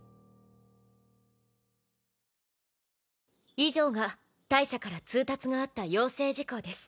以上が大赦から通達があった要請事項です。